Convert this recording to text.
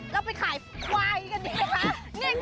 เราไปขายควายกันดีนะคะ